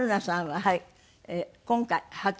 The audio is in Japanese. はい。